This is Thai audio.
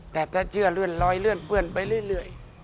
แต่ถ้าเชื่อเลื่อนลอยเลื่อนเปื้อนไปเรื่อย